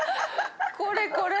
これこれ！